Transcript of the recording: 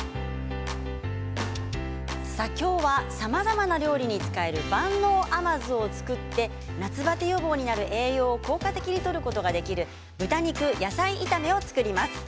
今日は、さまざまな料理に使える万能甘酢を作って夏バテ予防になる栄養を効果的にとることができる豚肉野菜炒めを作ります。